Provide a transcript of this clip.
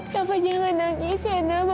kapan jangan nangis ya nama